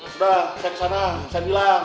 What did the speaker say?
sudah saya kesana